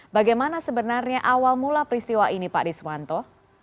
bagaimana sebenarnya awal mula peristiwa ini pak paris wanto